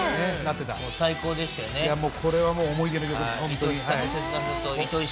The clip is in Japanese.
いや、もうこれは思い出の曲です、本当に。